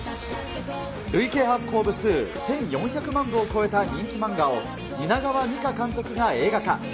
累計発行部数１４００万部を超えた人気漫画を蜷川実花監督が映画化。